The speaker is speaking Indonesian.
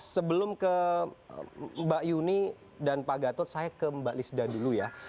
sebelum ke mbak yuni dan pak gatot saya ke mbak lisda dulu ya